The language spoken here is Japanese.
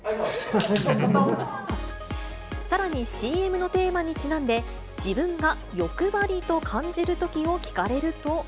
さらに、ＣＭのテーマにちなんで、自分がよくばりと感じるときを聞かれると。